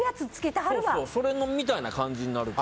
それみたいな感じになる。